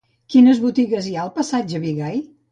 Quines botigues hi ha al passatge de Bigai?